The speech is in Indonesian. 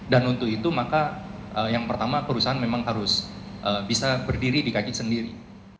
dan untuk itu maka yang pertama perusahaan memang harus bisa berdiri di kaki sendiri